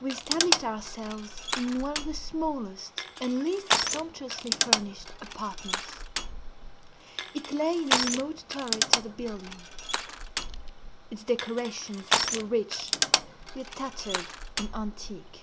We established ourselves in one of the smallest and least sumptuously furnished apartments. It lay in a remote turret of the building. Its decorations were rich, yet tattered and antique.